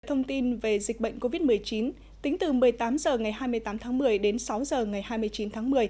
thông tin về dịch bệnh covid một mươi chín tính từ một mươi tám h ngày hai mươi tám tháng một mươi đến sáu h ngày hai mươi chín tháng một mươi